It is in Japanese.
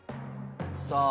「さあ」